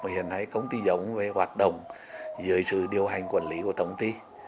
hiện nay công ty giống về hoạt động dưới sự điều hành quản lý của tổng ty